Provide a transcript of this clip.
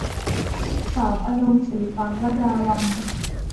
สามอนงค์ - ศรีฟ้า ลดาวัลย์